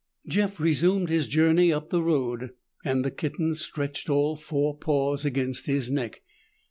Jeff resumed his journey up the road, and the kitten stretched all four paws against his neck.